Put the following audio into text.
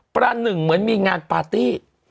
ประหนึ่งเหมือนมีงานปาร์ตี้